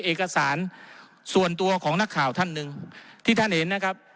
เอกสารส่วนตัวของนักข่าวท่านหนึ่งที่ท่านเห็นนะครับ